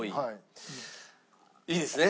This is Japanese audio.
いいですね？